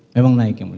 memang naik ya mulia